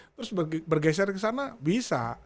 terus bergeser ke sana bisa